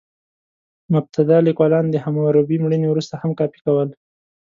مبتدي لیکوالان د حموربي مړینې وروسته هم کاپي کول.